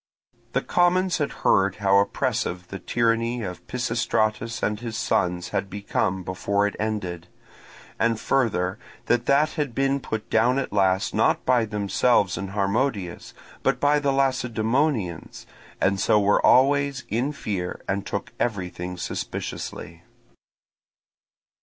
The commons had heard how oppressive the tyranny of Pisistratus and his sons had become before it ended, and further that that had been put down at last, not by themselves and Harmodius, but by the Lacedaemonians, and so were always in fear and took everything suspiciously.